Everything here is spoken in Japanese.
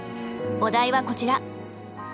お題はこちら。